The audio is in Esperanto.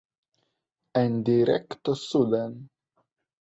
En direkto suden.